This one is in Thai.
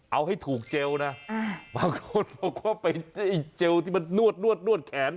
เอาให้ถูกเจลนะบางคนบอกว่าไปไอ้เจลที่มันนวดแขน